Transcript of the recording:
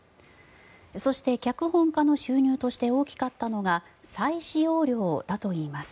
そして、脚本家の収入として大きかったのが再使用料だといいます。